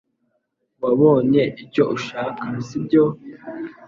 Wabonye icyo ushaka, sibyo?